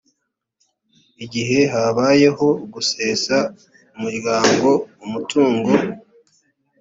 igihe habayeho gusesa umuryango umutungo